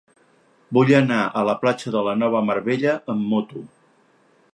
Vull anar a la platja de la Nova Mar Bella amb moto.